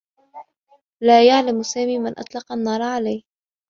لا يعلم يامي من أطلق النّار عليه.